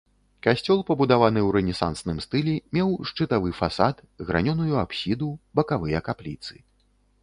Касцёл, пабудаваны ў рэнесансным стылі, меў шчытавы фасад, гранёную апсіду, бакавыя капліцы.